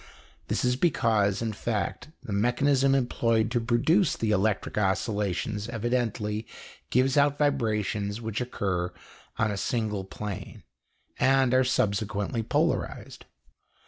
This is because, in fact, the mechanism employed to produce the electric oscillations evidently gives out vibrations which occur on a single plane and are subsequently polarized.